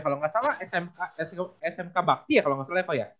kalau nggak salah smp bakti ya kalau nggak salah ya kok ya